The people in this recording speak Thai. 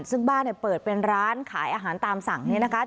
ซึ่งบ้านเปิดเป็นร้านขายอาหารตามสั่งนะคะ